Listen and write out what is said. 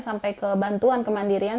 sampai ke bantuan kemandirian